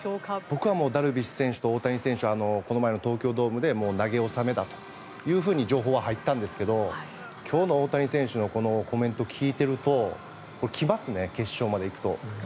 僕はダルビッシュ選手と大谷選手はこの前の東京ドームで投げ収めだというふうに情報は入ったんですけど今日の大谷選手のコメントを聞いていると来ますね、決勝まで行くと。